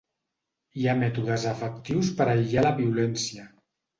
Hi ha mètodes efectius per aïllar la violència.